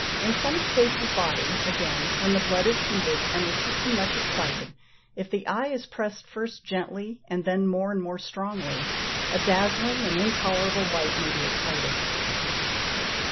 In some states of body, again, when the blood is heated, and the system much excited, if the eye is pressed first gently, and then more and more strongly, a dazzling and intolerable light may be excited.